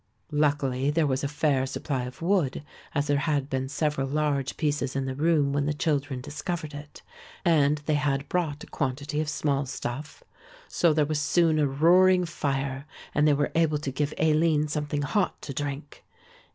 Luckily there was a fair supply of wood, as there had been several large pieces in the room when the children discovered it, and they had brought a quantity of small stuff. So there was soon a roaring fire and they were able to give Aline something hot to drink.